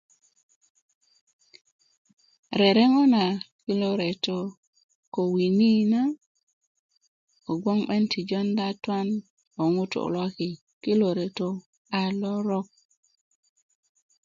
rereŋó na kilo retó ko wini na kogboŋ 'ben ti jondá tuwan ko ŋutú loki kiló retó a lorok